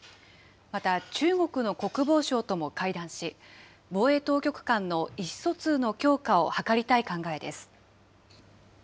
また中国の国防相とも会談し、防衛当局間の意思疎通の強化を図りたい考えです。